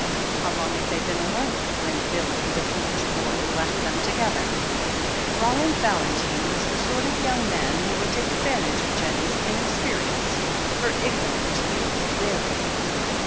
How long had they been alone — ^when had Billy, the foolish boy, left them together ? Roland Valentine was the sort of young man who would take advantage of Jennie's inexperience — ^her ignorant, youthful daring.